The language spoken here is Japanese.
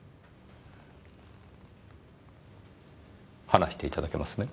話していただけますね？